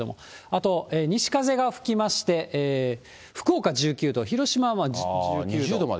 あと西風が吹きまして、福岡１９度、広島は１９度。